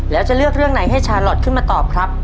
แล้วจะเลือกเรื่องไหนให้ชาลอทขึ้นมาตอบครับ